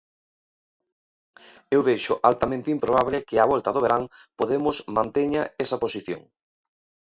Eu vexo altamente improbable que á volta do verán Podemos manteña esa posición.